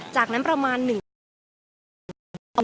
จากนั้นประมาณ๑นาที